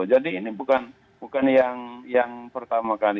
jadi ini bukan yang pertama kali